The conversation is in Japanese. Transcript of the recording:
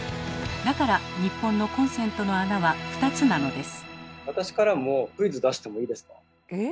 だから日本のコンセントの穴は２つなのです。